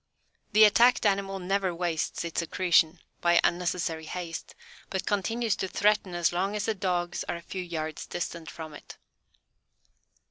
The attacked animal never wastes its secretion by unnecessary haste, but continues to threaten as long as the dogs are a few yards distant from it.